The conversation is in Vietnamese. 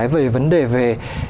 về vấn đề về